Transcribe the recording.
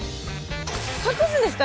隠すんですか？